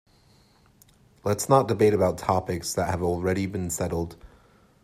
Let's not debate about topics that have already been settled.